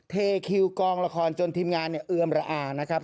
เทคิวกองละครจนทีมงานเนี่ยเอือมระอานะครับ